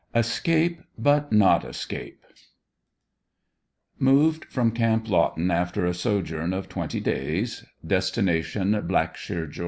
ESCAPE BUT NOT ESCAPE, MOVED FROM CAMP LAWTON AFTER A SOJOURN OF TWENTY DAYS — DESTINATION BLACKSHEAR, GA.